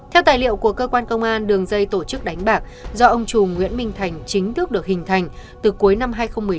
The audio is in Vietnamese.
theo tài liệu của cơ quan công an đường dây tổ chức đánh bạc do ông trù nguyễn minh thành chính thức được hình thành từ cuối năm hai nghìn một mươi chín